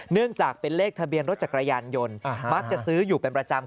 เนื่องจากเป็นเลขทะเบียนรถจักรยานยนต์มักจะซื้ออยู่เป็นประจำ